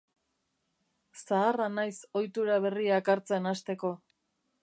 Zaharra naiz ohitura berriak hartzen hasteko.